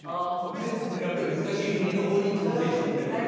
やっぱり難しい振りの方に挑戦してみたくなる。